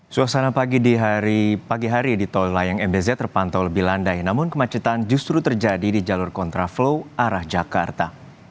suasana pagi di pagi hari di tol layang mbz terpantau lebih landai namun kemacetan justru terjadi di jalur kontraflow arah jakarta